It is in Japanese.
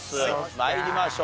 参りましょう。